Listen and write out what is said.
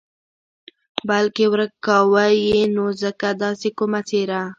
بلکې ورک کاوه یې نو ځکه داسې کومه څېره.